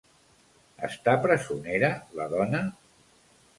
Està presonera la dona?